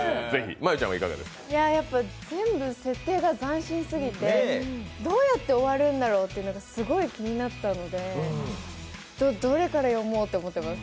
全部、設定が斬新すぎて、どうやって終わるんだろうというのがすごい気になったのでどれから読もうって思ってます。